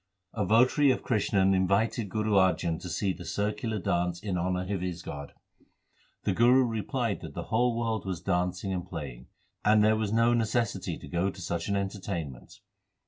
A votary of Krishan invited Guru Arjan to see the circular dance in honour of his god. The Guru replied that the whole world was dancing and playing, and there was no necessity to go to such an enter tainment.